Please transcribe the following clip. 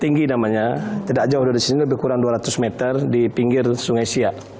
tinggi namanya tidak jauh dari sini lebih kurang dua ratus meter di pinggir sungai siak